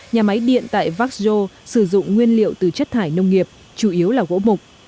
nhà máy điện tại vác châu sử dụng nguyên liệu từ chất thải nông nghiệp chủ yếu là gỗ mục